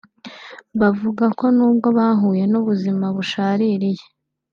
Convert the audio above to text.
bavuga ko nubwo bahuye n’ubuzima bushaririye